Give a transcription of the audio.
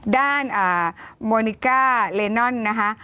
ด้านโมนิกาเลนนอนนะฮะ